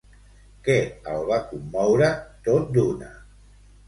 Què el va commoure tot d'una?